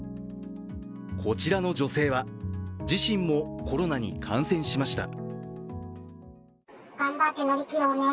こちらの女性は自身もコロナに感染しました。